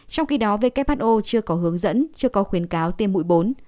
trong khi đó who chưa có hướng dẫn chưa có khuyến cáo tiêm mũi bốn